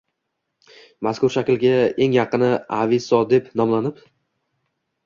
Mazkur shaklga eng yaqini «awiso» deb nomlanib